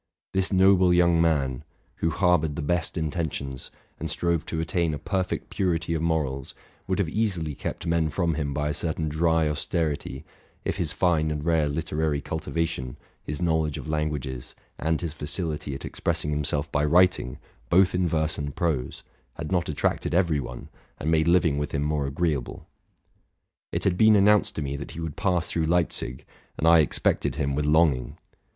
This noble RELATING TO MY LIFE. 221 young man, who harbored the best intentions and strove to attain a perfect purity of morals, would have easily kept men from him by a certain dry austerity, if his fine and rare literary cultivation, his knowledge of languages, and his facility at expressing himself by writing, both in verse and prose, had not attracted every one, and made living with him more agreeable. It had been announced to me that he would pass through Leipzig, and I expected him with long ing.